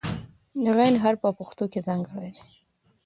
د "غ" حرف په پښتو کې ځانګړی دی.